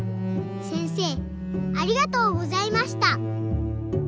せんせいありがとうございました。